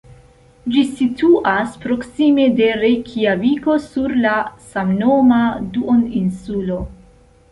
Ĝi situas proksime de Rejkjaviko sur la samnoma duoninsulo.